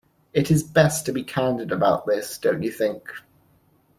It is best to be candid about this, don't you think?